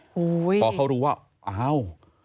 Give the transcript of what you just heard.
พอเขารู้ว่าอ้าว